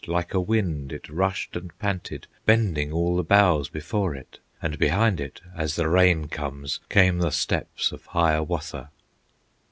Like a wind it rushed and panted, Bending all the boughs before it, And behind it, as the rain comes, Came the steps of Hiawatha.